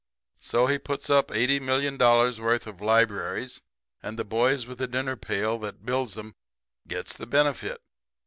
"' "So he puts up eighty million dollars' worth of libraries; and the boys with the dinner pail that builds 'em gets the benefit.